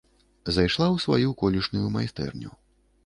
Зайшла ў сваю колішнюю майстэрню.